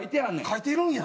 書いてるんや！